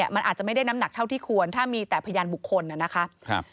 มันอาจจะไม่ได้น้ำหนักเท่าที่ควรถ้ามีแต่พยานบุคคลนะครับ